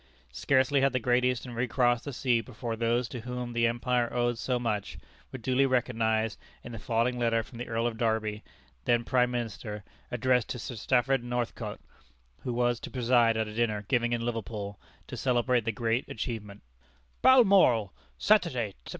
Scarcely had the Great Eastern recrossed the sea before those to whom the empire owed so much, were duly recognized in the following letter from the Earl of Derby, then Prime Minister, addressed to Sir Stafford Northcote, who was to preside at a dinner given in Liverpool, to celebrate the great achievement: "Balmoral, Saturday, Sept.